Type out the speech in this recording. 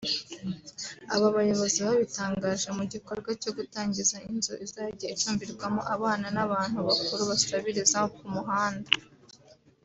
Aba bayobozi babitangaje mu gikorwa cyo gutangiza inzu izajya icumbikirwamo abana n’abantu bakuru basabiriza ku mihanda